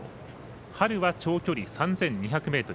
春は長距離３２００ｍ。